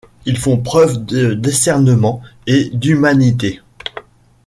Ils font preuve de discernement et d’humanité.